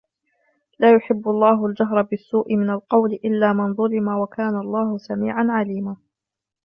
لَا يُحِبُّ اللَّهُ الْجَهْرَ بِالسُّوءِ مِنَ الْقَوْلِ إِلَّا مَنْ ظُلِمَ وَكَانَ اللَّهُ سَمِيعًا عَلِيمًا